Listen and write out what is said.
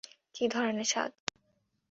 কী ধরনের সাহায্য?